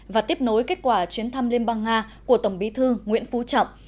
và tiếp nối kết quả chuyến thăm liên bang nga của tổng bí thư nguyễn phú trọng